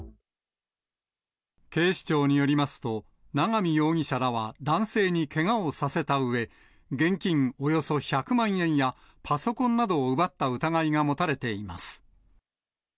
警視庁によりますと、永見容疑者らは男性にけがをさせたうえ、現金およそ１００万円やパソコンなどを奪った疑いが持たれています。